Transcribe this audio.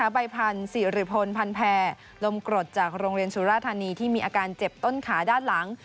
ใบพันธ์สิริพลพันแพร่ลมกรดจากโรงเรียนสุราธานีที่มีอาการเจ็บต้นขาด้านหลัง